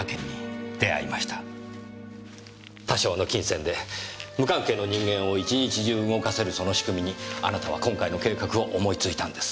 多少の金銭で無関係の人間を１日中動かせるその仕組みにあなたは今回の計画を思いついたんです。